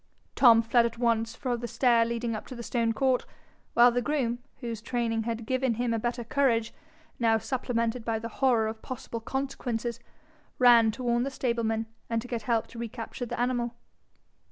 Tom fled at once for the stair leading up to the stone court, while the groom, whose training had given him a better courage, now supplemented by the horror of possible consequences, ran to warn the stablemen and get help to recapture the animal.